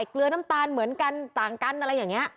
เกลือน้ำตาลเหมือนกันต่างกันอะไรอย่างนี้